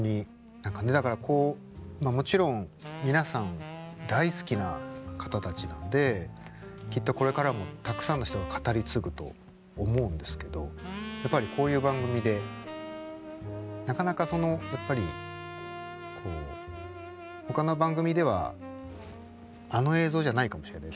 何かねだからこうもちろん皆さん大好きな方たちなんできっとこれからもたくさんの人が語り継ぐと思うんですけどやっぱりこういう番組でなかなかそのやっぱりほかの番組ではあの映像じゃないかもしれないですよね。